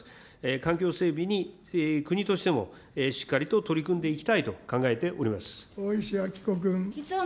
環境整備に国としても、しっかりと取り組んでいきたいと考えてお大石あきこ君。